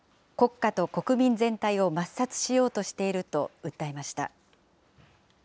国家と国民全体を抹殺しようとしていると訴えました。